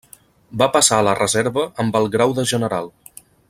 Va passar a la reserva amb el grau de general.